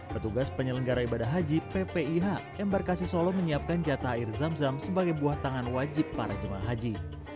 petugas penyelenggara ibadah haji ppih embarkasi solo menyiapkan jatah air zam zam sebagai buah tangan wajib para jemaah haji